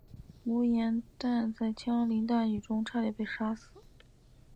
吴廷琰在枪林弹雨中差点被杀。